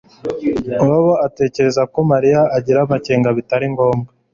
Bobo atekereza ko Mariya agira amakenga bitari ngombwa